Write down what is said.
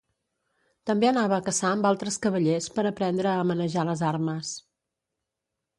També anava a caçar amb altres cavallers per aprendre a manejar les armes.